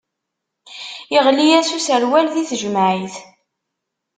Iɣli-yas userwal di tejmaɛit.